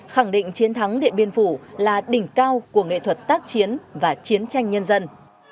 khẳng định chiến thắng điện biên phủ là đỉnh cao của nghệ thuật tác chiến và chiến tranh nhân dân